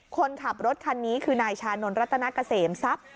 คนขับรถคันนี้คือนายชานนท์รัตนาเกษมทรัพย์